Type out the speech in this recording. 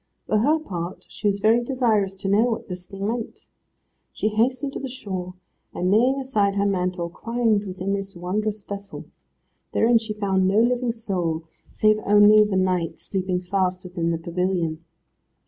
For her part she was very desirous to know what this thing meant. She hastened to the shore, and laying aside her mantle, climbed within this wondrous vessel. Thereon she found no living soul, save only the knight sleeping fast within the pavilion.